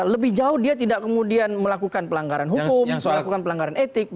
lebih jauh dia tidak kemudian melakukan pelanggaran hukum melakukan pelanggaran etik